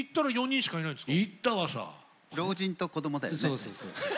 そうそうそう。